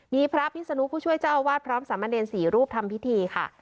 มีพระพิศนุผู้ช่วยเจ้าอาวาสพร้อมสามเณร๔รูปทำพิธีค่ะ